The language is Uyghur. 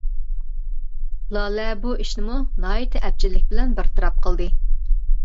لالە بۇ ئىشنىمۇ ناھايىتى ئەپچىللىك بىلەن بىر تەرەپ قىلدى.